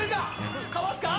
かわすか？